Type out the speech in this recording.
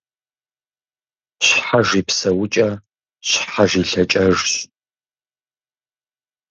Щхьэж и псэукӏэ щхьэж и лӏэкӏэжщ.